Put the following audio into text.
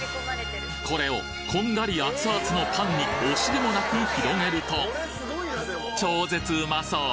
これをこんがり熱々のパンに惜しげもなく広げると超絶ウマそう！